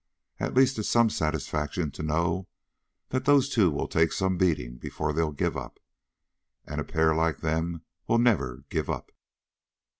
At least it's some satisfaction to know that those two will take some beating before they'll give up. And a pair like them will never give up."